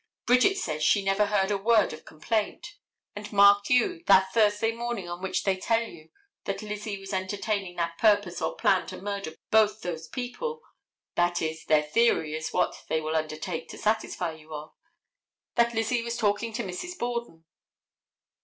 Bridget says she never heard a word of complaint. And mark you, that Thursday morning on which they tell you that Lizzie was entertaining that purpose or plan to murder both those people—that is, their theory is what they will undertake to satisfy you of—that Lizzie was talking to Mrs. Borden.